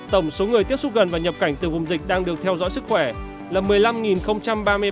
tổng số người tiếp xúc gần và nhập cảnh từ vùng dịch đang được theo dõi sức khỏe là một mươi năm ba mươi ba người